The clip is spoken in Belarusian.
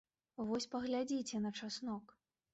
Вось паглядзіце на часнок!